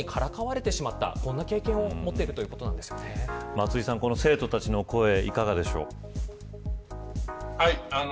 松井さん、この生徒たちの声いかがでしょう。